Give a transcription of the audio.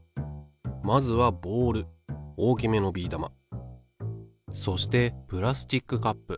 まずはボール大きめのビー玉そしてプラスチックカップ。